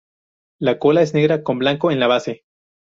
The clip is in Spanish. La cola es negra con blanco en la base.